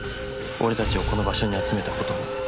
俺たちをこの場所に集めたことも。